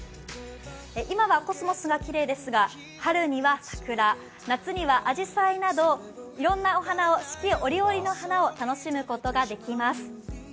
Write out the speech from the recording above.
今はコスモスがきれいですが、春には桜、夏にはあじさいなどいろんな四季折々の花を楽しむことができます。